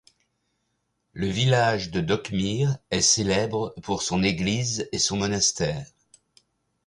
Le village de Dokmir est célèbre pour son église et son monastère.